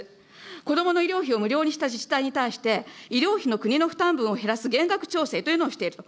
子どもの医療費を無料にした自治体に対して、医療費の国の負担分を減らす減額調整というのをしていると。